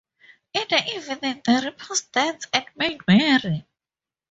In the evening, the reapers danced and made merry.